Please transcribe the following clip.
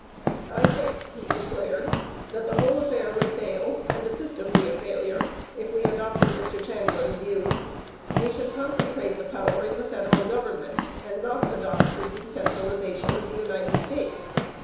I think [he declared] the whole affair would fail and the system be a failure if we adopted Mr Chandler's views. We should concentrate the power in the federal government and not adopt the decentralization of the United States.